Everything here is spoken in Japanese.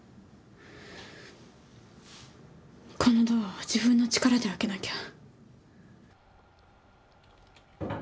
このドアは自分の力で開けなきゃ。